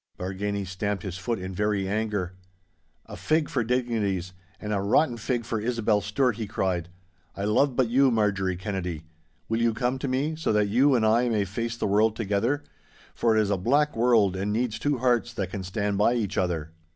Bargany stamped his foot in very anger. 'A fig for dignities, and a rotten fig for Isobel Stewart,' he cried. 'I love but you, Marjorie Kennedy! Will you come to me, so that you and I may face the world together? For it is a black world and needs two hearts that can stand by each other.